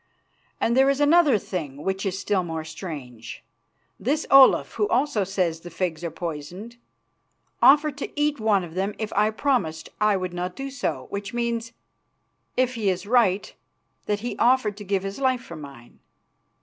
And there is another thing which is still more strange. This Olaf, who also says the figs are poisoned, offered to eat one of them if I promised I would not do so, which means, if he is right, that he offered to give his life for mine.